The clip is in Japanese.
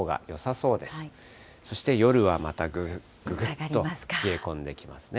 そして夜はまたぐっ、ぐぐっと冷え込んできますね。